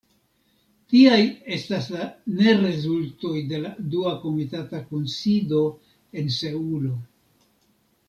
Tiaj estas la nerezultoj de la dua komitata kunsido en Seulo.